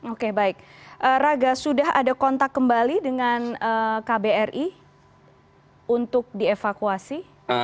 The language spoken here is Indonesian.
oke baik raga sudah ada kontak kembali dengan kbri untuk dievakuasi